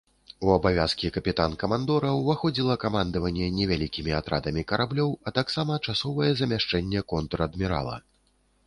У абавязкі капітан-камандора ўваходзіла камандаванне невялікімі атрадамі караблёў, а таксама часовае замяшчэнне контр-адмірала.